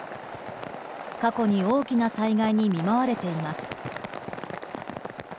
過去に大きな災害に見舞われています。